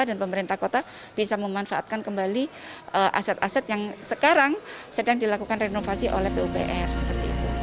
dan pemerintah kota bisa memanfaatkan kembali aset aset yang sekarang sedang dilakukan renovasi oleh pupr